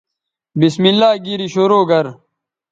بسم اللہ گیری شرو گر